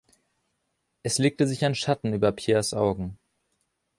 Es legte sich ein Schatten über Pierres Augen.